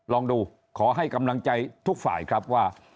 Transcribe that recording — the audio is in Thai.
ลองดูขอให้กำลังใจทุกฝ่ายครับว่า